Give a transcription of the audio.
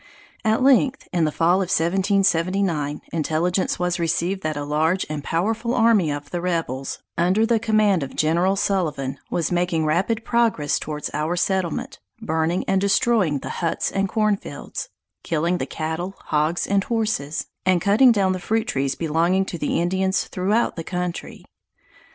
At length, in the fall of 1779, intelligence was received that a large and powerful army of the rebels, under the command of General Sullivan, was making rapid progress towards our settlement, burning and destroying the huts and corn fields; killing the cattle, hogs and horses, and cutting down the fruit trees belonging to the Indians throughout the country.